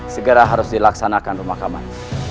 segera harus dilaksanakan ke makamannya